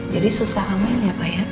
jadi susah hamil ya pak ya